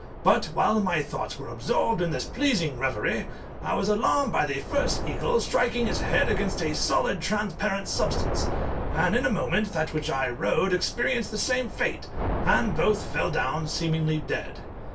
But while my thoughts were absorbed in this pleasing reverie I was alarmed by the first eagle striking its head against a solid transparent substance, and in a moment that which I rode experienced the same fate, and both fell down seemingly dead.